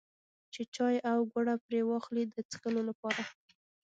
چې چای او ګوړه پرې واخلي د څښلو لپاره.